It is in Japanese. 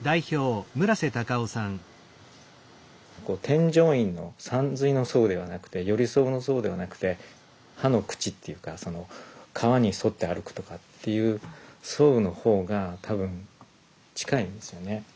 添乗員のさんずいの「添う」ではなくて寄り添うの「添う」ではなくてハの口っていうか川に沿って歩くとかっていう「沿う」の方が多分近いんですよね。